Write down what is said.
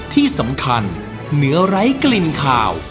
ที่สำคัญเนื้อไร้กลิ่นขาว